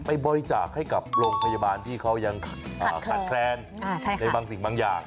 ไปบริจาคให้กับโรงพยาบาลที่เขายังขาดแคลนในบางสิ่งบางอย่าง